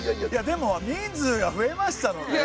でも人数が増えましたので。